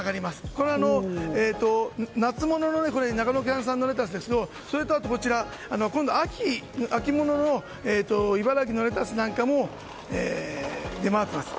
これは夏物の長野県産のレタスですけどそれと秋物の茨城のレタスなんかも出回っています。